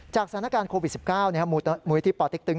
จากสถานการณ์โควิด๑๙มูลยธีปติ๊กตึ๊ง